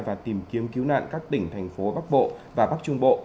và tìm kiếm cứu nạn các tỉnh thành phố bắc bộ và bắc trung bộ